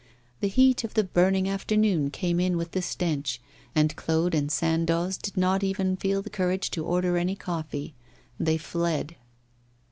The heat of the burning afternoon came in with the stench, and Claude and Sandoz did not even feel the courage to order any coffee; they fled.